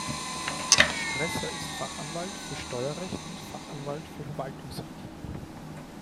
Strässer ist Fachanwalt für Steuerrecht und Fachanwalt für Verwaltungsrecht.